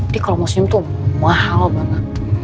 dia kalau mau senyum tuh mahal banget